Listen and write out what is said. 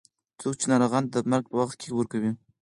څوک یې ناروغانو ته د مرګ په وخت کې ورکوي.